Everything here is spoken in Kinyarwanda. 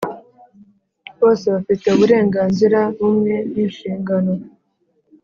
Bose bafite uburenganzira bumwe n inshingano